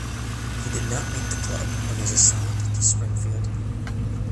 He did not make the club and was assigned to Springfield.